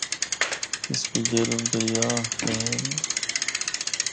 اس کو جہلم دریا آکھدے ہن۔